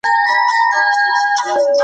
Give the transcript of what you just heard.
يونسکو دا ارزښتمن بللی دی.